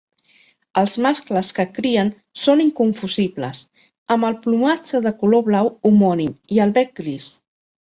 Els mascles que crien són inconfusibles, amb el plomatge de color blau homònim i el bec gris.